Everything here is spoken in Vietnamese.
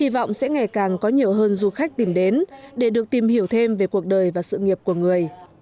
hy vọng sẽ ngày càng có nhiều hơn du khách tìm đến để được tìm hiểu thêm về cuộc đời và sự nghiệp của người